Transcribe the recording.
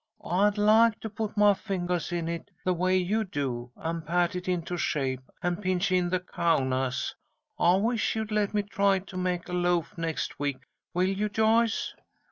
"I'd like to put my fingahs in it the way you do, and pat it into shape, and pinch in the cawnahs. I wish you'd let me try to make a loaf next week. Will you, Joyce?"